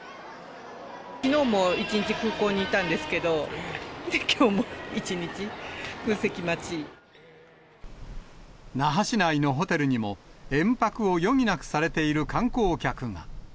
きのうも一日、空港にいたんですけど、那覇市内のホテルにも、延泊を余儀なくされている観光客が。